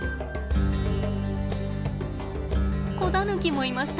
子ダヌキもいました。